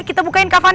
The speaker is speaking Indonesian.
kita bukain kapan aja